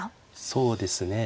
そうですね。